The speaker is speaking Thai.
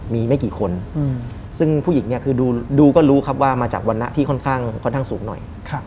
มีไม่กี่คนซึ่งผู้หญิงดูก็รู้ว่ามาจากวัณนะที่ค่อนข้างสูงหน่อย